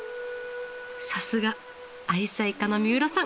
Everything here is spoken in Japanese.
さすが愛妻家の三浦さん！